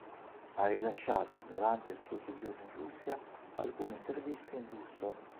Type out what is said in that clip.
Ha rilasciato, durante il suo soggiorno in Russia, alcune interviste in russo.